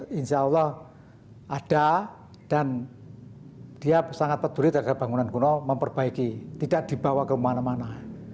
ya insya allah ada dan dia sangat peduli terhadap bangunan kuno memperbaiki tidak dibawa kemana mana